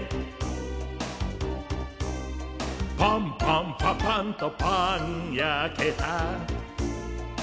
「パンパンパパンとパン焼けた」